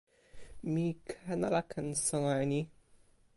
mi ken ala ken sona e ni?